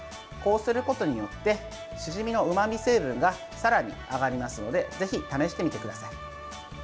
こうすることによってシジミのうまみ成分がさらに上がりますのでぜひ試してみてください。